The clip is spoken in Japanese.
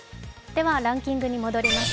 ランキングに戻ります。